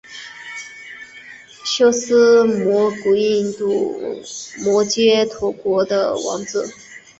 修私摩古印度摩揭陀国的王子。